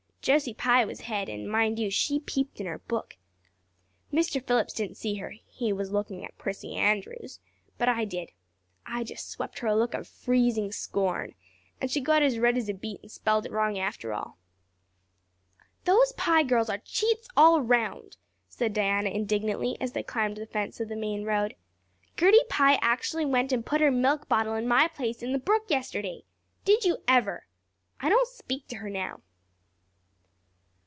Josie Pye was head and, mind you, she peeped in her book. Mr. Phillips didn't see her he was looking at Prissy Andrews but I did. I just swept her a look of freezing scorn and she got as red as a beet and spelled it wrong after all." "Those Pye girls are cheats all round," said Diana indignantly, as they climbed the fence of the main road. "Gertie Pye actually went and put her milk bottle in my place in the brook yesterday. Did you ever? I don't speak to her now."